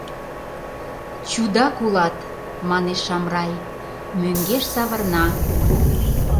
— Чудак улат, — манеш Шамрай, мӧҥгеш савырна.